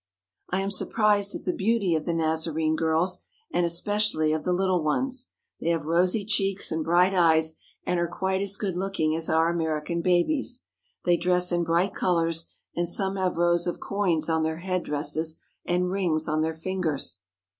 I am surprised at the beauty of the Nazarene girls, and especially of the little ones. They have rosy cheeks and bright eyes and are quite as good looking as our American babies. They dress in bright colours and some have rows of coins on their headdresses and rings on their fingers.